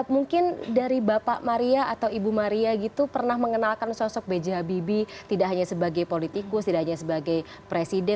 mungkin dari bapak maria atau ibu maria gitu pernah mengenalkan sosok b j habibie tidak hanya sebagai politikus tidak hanya sebagai presiden